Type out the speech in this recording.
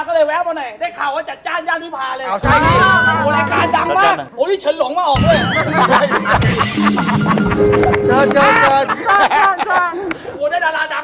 กลัวได้ดาราดังมาออกด้วย